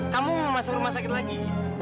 kamu masuk rumah sakit lagi